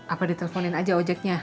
apa diteleponin aja ojaknya